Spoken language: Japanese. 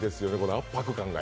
圧迫感が。